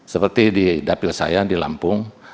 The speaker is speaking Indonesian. seperti di dapil saya di lampung